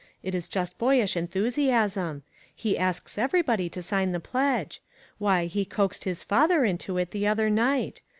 It is just boyish enthusiasm. He asks everybody to sign the pledge. Why, he coaxed his father into it the other night.